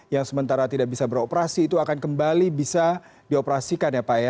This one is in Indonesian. yang sementara tidak bisa beroperasi itu akan kembali bisa dioperasikan ya pak ya